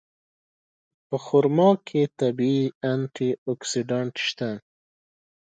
په خرما کې طبیعي انټي اکسېډنټ شته.